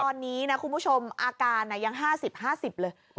ตอนนี้นะคุณผู้ชมอาการยัง๕๐๕๐เลย